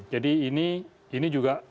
jadi ini juga